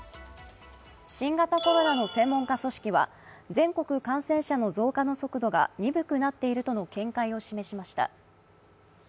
新型コロナの専門家組織は全国感染者の増加の速度が鈍くなっているとの見解を示しました。